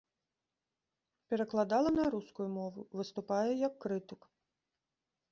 Перакладала на рускую мову, выступае як крытык.